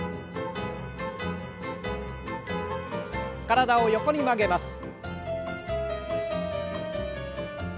体を横に曲げます。